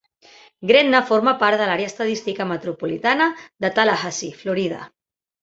Gretna forma part de l'Àrea Estadística Metropolitana de Tallahassee, Florida.